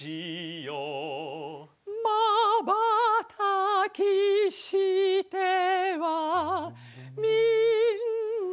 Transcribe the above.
「まばたきしてはみんなをみてる」